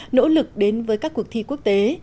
nỗ lực đến với các cuộc thi quốc tế